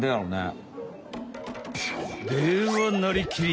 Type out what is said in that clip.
では「なりきり！